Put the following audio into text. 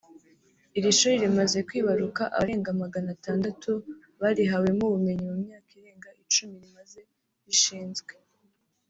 Iri shuri rimaze kwibaruka abarenga magana atandatu barihawemo ubumenyi mu myaka irenga icumi rimaze rishinzwe